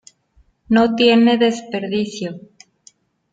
No tiene desperdicio.